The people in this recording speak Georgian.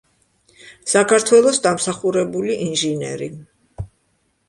საქართველოს დამსახურებული ინჟინერი.